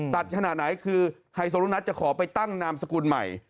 ขนาดไหนคือไฮโซลูนัทจะขอไปตั้งนามสกุลใหม่